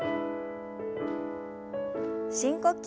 深呼吸。